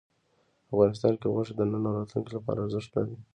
افغانستان کې غوښې د نن او راتلونکي لپاره ارزښت لري.